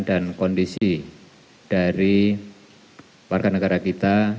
dan kondisi dari warga negara kita